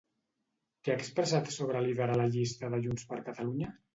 Què ha expressat sobre liderar la llista de JxCat?